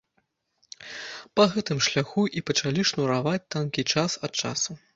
Па гэтым шляху і пачалі шнураваць танкі час ад часу.